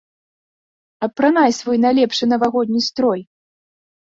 Апранай свой найлепшы навагодні строй!